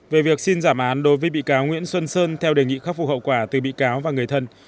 về việc xin giảm án đối với bị cáo nguyễn xuân sơn theo đề nghị khắc phục hậu quả từ bị cáo và người thân